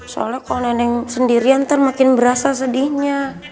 soalnya kalau neneng sendirian ntar makin berasa sedihnya